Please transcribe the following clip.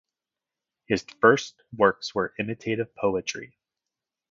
His first works were imitative poetry.